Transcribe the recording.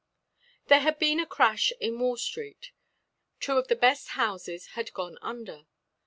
There had been a crash in Wall street. Two of the best houses had gone under.